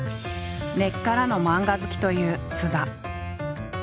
根っからの漫画好きという菅田。